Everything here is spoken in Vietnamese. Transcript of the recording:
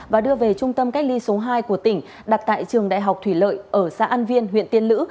và đưa về trung tâm cách ly số hai của tỉnh đặt tại trường đại học thủy lợi ở xã an viên huyện tiên lữ